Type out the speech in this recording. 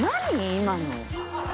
今の。